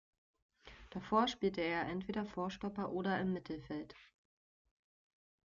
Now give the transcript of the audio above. Davor spielte er entweder Vorstopper oder im Mittelfeld.